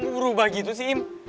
kamu rubah gitu sih im